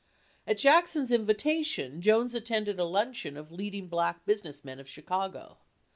At Jackson's invitation Jones attended a luncheon of leading black businessmen of Chicago.